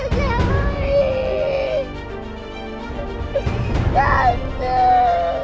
fahri harus tau nih